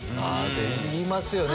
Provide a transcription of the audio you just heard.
言いますよね